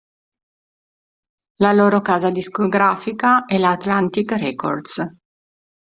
La loro casa discografica è la Atlantic Records.